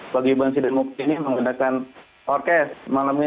bagian ban sidon mukti ini menggunakan orkes malam ini